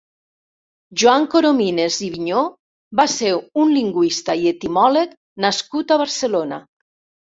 Joan Coromines i Vigneaux va ser un lingüista i etimòleg nascut a Barcelona.